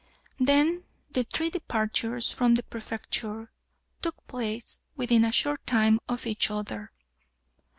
Then the three departures from the Prefecture took place within a short time of each other.